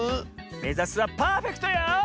めざすはパーフェクトよ！